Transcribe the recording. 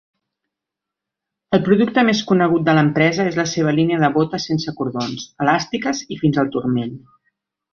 El producte més conegut de l'empresa és la seva línia de botes sense cordons, elàstiques i fins al turmell.